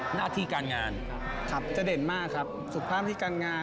หน้าที่การงานครับจะเด่นมากครับสุขภาพที่การงาน